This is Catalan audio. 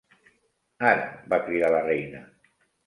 "Ara!", va cridar la reina.